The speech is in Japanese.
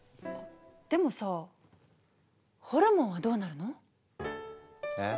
でもさホルモンはどうなるの？え？